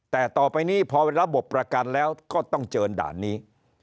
แต่ต่อไปนี้พอเป็นระบบประกันแล้วก็ต้องเจอด่านนี้